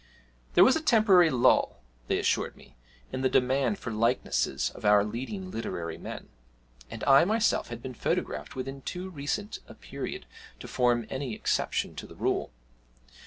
There was a temporary lull, they assured me, in the demand for likenesses of our leading literary men, and I myself had been photographed within too recent a period to form any exception to the rule.